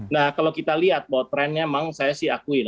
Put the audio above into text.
nah kalau kita lihat bahwa trennya memang saya sih akuin